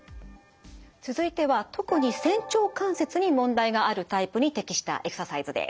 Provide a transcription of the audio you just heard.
続いては特に仙腸関節に問題があるタイプに適したエクササイズです。